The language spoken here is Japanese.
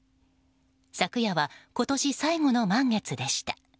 昨夜は今年最後の満月でした。